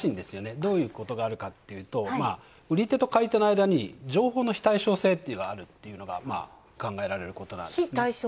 どういうことがあるかっていうと、売り手と買い手の間に情報の非対称性というものがあるというのが考えられること。